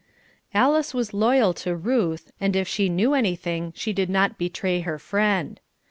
Alice was loyal to Ruth, and if she knew anything she did not betray her friend.